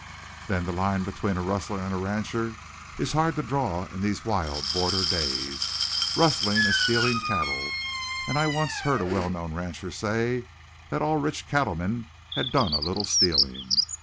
"Then the line between a rustler and a rancher is hard to draw in these wild border days. Rustling is stealing cattle, and I once heard a well known rancher say that all rich cattlemen had done a little stealing.